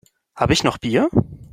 Habe ich noch Bier?